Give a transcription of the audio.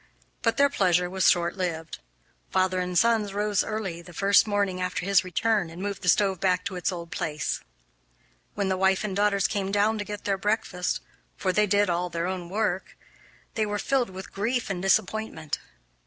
But their pleasure was shortlived. Father and sons rose early the first morning after his return and moved the stove back to its old place. When the wife and daughters came down to get their breakfast (for they did all their own work) they were filled with grief and disappointment.